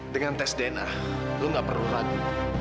dengan tes dna lu nggak perlu lagi